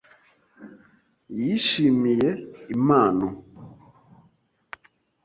Yishimiye impano.